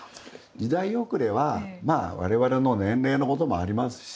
時代遅れはまあ、われわれの年齢のこともありますし。